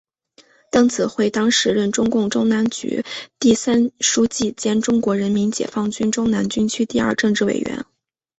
邓子恢当时任中共中南局第三书记兼中国人民解放军中南军区第二政治委员。